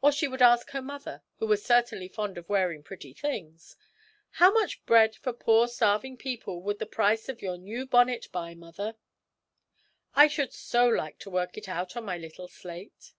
Or she would ask her mother, who was certainly fond of wearing pretty things. 'How much bread for poor starving people would the price of your new bonnet buy, mother? I should so like to work it out on my little slate!'